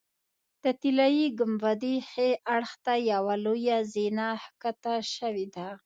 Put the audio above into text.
د طلایي ګنبدې ښي اړخ ته یوه لویه زینه ښکته شوې ده.